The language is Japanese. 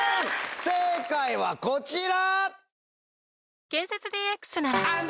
正解はこちら！